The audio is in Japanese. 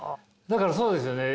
だからそうですよね